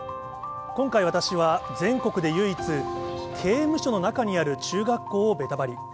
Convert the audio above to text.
今回、私は全国で唯一、刑務所の中にある中学校をベタバリ。